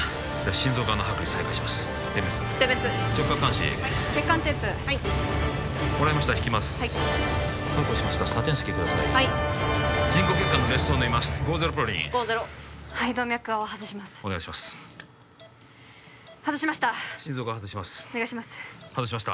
心臓側外しますお願いします